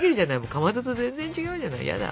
かまどと全然違うじゃないヤダ。